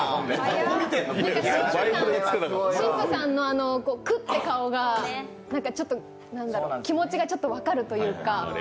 新婦さんのくって顔が気持ちがちょっと分かるというか。